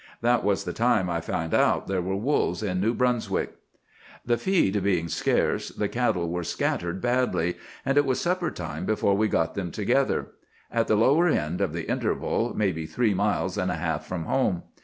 That was the time I found out there were wolves in New Brunswick. "The feed being scarce, the cattle were scattered badly; and it was supper time before we got them together, at the lower end of the interval, maybe three miles and a half from home.